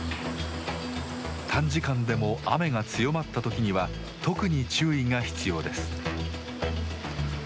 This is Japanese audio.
短時間でも雨が強まったときには特に注意が必要です。